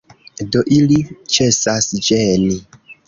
Do ili ĉesas ĝeni.